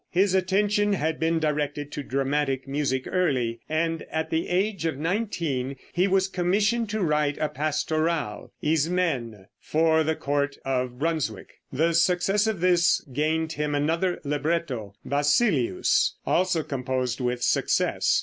His attention had been directed to dramatic music early, and at the age of nineteen he was commissioned to write a pastoral, "Ismene," for the court of Brunswick. The success of this gained him another libretto, "Basilius," also composed with success.